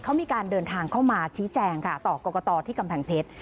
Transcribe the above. เขามีการเดินทางเข้ามาชี้แจงค่ะต่อกรกตที่กำแพงเพชร